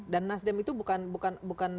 dan nasdem itu bukan